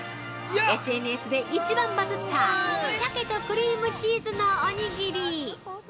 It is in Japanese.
ＳＮＳで一番バズった鮭とクリームチーズのおにぎり。